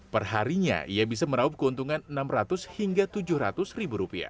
perharinya ia bisa meraup keuntungan enam ratus hingga tujuh ratus ribu rupiah